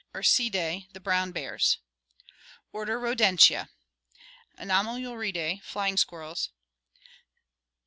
Ursidae: the brown bears. Order Rodentia. Anomaluridae, flying squirrels.